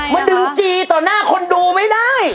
มาดึงจีต่อหน้าคนดูไม่ได้